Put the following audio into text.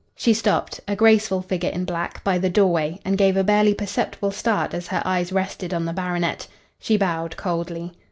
She stopped, a graceful figure in black, by the doorway, and gave a barely perceptible start as her eyes rested on the baronet. She bowed coldly.